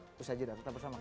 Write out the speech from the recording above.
terus aja dah kita bersama kan